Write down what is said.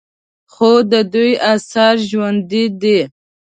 خو د دوی آثار ژوندي دي